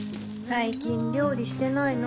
最近料理してないの？